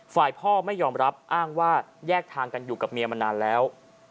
ฝ่ายพ่อไม่ยอมรับอ้างว่าแยกทางกันอยู่กับเมียมานานแล้ว